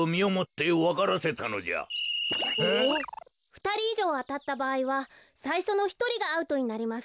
ふたりいじょうあたったばあいはさいしょのひとりがアウトになります。